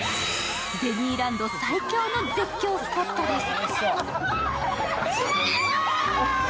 ベニーランド最強の絶叫スポットです。